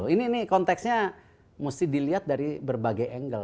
ini konteksnya mesti dilihat dari berbagai angle